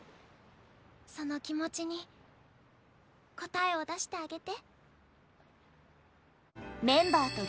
その気持ちに答えを出してあげて。